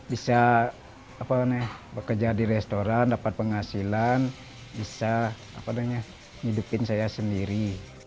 bisa bekerja di restoran dapat penghasilan bisa hidupin saya sendiri